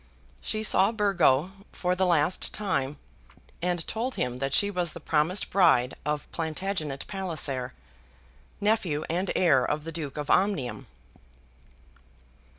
She saw Burgo, for the last time, and told him that she was the promised bride of Plantagenet Palliser, nephew and heir of the Duke of Omnium.